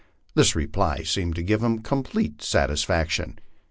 This reply seemed to give him complete satisfaction.